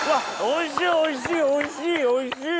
おいしいおいしい！